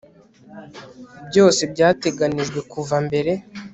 Byose byateganijwe kuva mbere